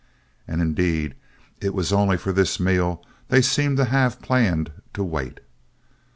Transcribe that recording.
And indeed, it was only for this meal they seemed to have planned to wait.